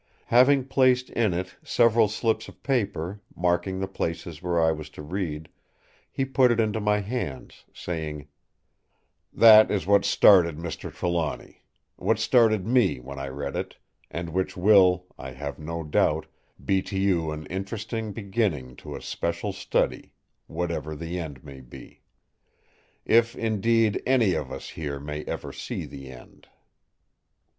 Having placed in it several slips of paper, marking the places where I was to read, he put it into my hands, saying: "That is what started Mr. Trelawny; what started me when I read it; and which will, I have no doubt, be to you an interesting beginning to a special study—whatever the end may be. If, indeed, any of us here may ever see the end."